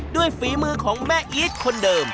ฝีมือของแม่อีทคนเดิม